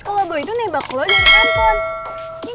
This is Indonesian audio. kalau boy itu nebak lo dari handphone